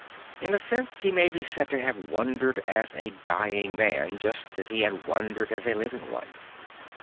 In a sense he may be said to ha ve wandered as a dying man, just as he had wandered as a living one.